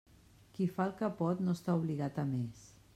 Qui fa el que pot no està obligat a més.